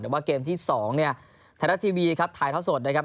แต่ว่าเกมที่๒เนี่ยไทยรัฐทีวีครับถ่ายเท่าสดนะครับ